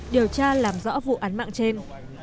điều tra làm rõ vụ án mạng trên